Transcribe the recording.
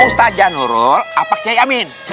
ustaz jah nurul apa kiai amin